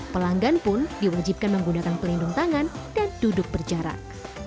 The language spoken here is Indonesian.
pelanggan pun diwajibkan menggunakan pelindung tangan dan duduk berjarak